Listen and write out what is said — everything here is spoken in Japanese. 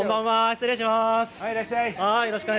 失礼します。